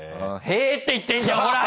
へえって言ってんじゃんほら。